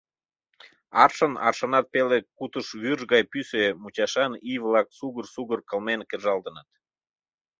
Аршын, аршынат пеле кутыш вӱрж гай пӱсӧ мучашан ий-влак сугыр-сугыр кылмен кержалтыныт.